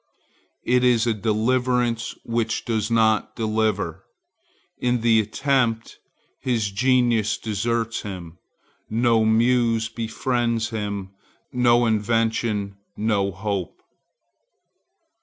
It is a deliverance which does not deliver. In the attempt his genius deserts him; no muse befriends; no invention, no hope.